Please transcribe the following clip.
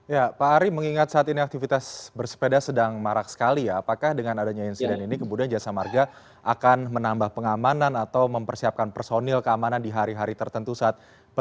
ya pak ari mengingat saat ini aktivitas bersepeda sedang marak sekali ya apakah dengan adanya insiden ini kemudian jasa marga akan menambah pengamanan atau mempersiapkan personil keamanan di hari hari tertentu saat ini